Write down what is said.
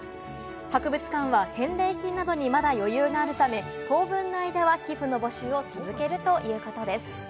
博物館は返礼品などにまだ余裕があるため、当分の間は寄付の募集を続けるということです。